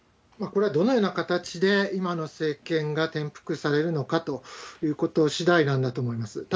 これはどのような形で今の政権が転覆されるのかということしだいなんだと思います。